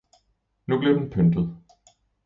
Nu blev den pyntet.